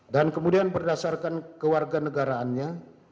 dan kemudian berdasarkan kewarganegaraannya